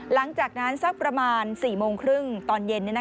หลังจากนั้นสักประมาณ๔โมงครึ่งตอนเย็น